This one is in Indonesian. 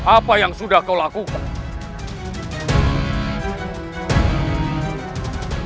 apa yang sudah kau lakukan